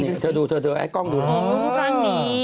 เธอดูแอ็กกล้องดูนะครับโอ้โฮแอ็กกล้องดี